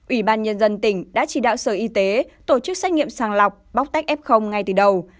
ủy ban nhân dân tỉnh đã chỉ đạo sở y tế tổ chức xét nghiệm sàng lọc bóc tách f ngay từ đầu